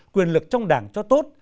quyền lực trong đảng cho tốt